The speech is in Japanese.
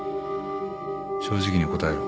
正直に答えろ。